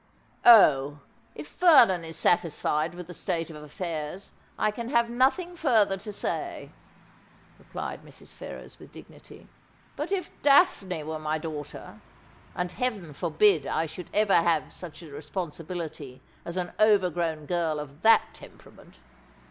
' Oh, if Vernon is satisfied with the state of affairs, I can have nothing further to say,' replied Mrs. Ferrers with dignity ;' but if Daphne were my daughter — and Heaven forbid I should ever have such a responsibility as an overgrown girl of that temperament